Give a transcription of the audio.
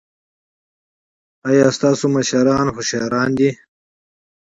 ایا ستاسو مشران هوښیار دي؟